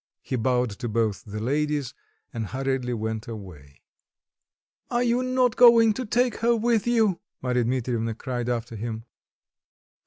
He bowed to both the ladies, and hurriedly went away. "Are you not going to take her with you!" Marya Dmitrievna cried after him....